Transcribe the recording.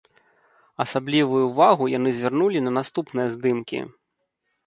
Асаблівую ўвагу яны звярнулі на наступныя здымкі.